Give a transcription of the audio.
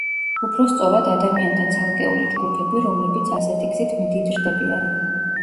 უფრო სწორად, ადამიანთა ცალკეული ჯგუფები, რომლებიც ასეთი გზით მდიდრდებიან.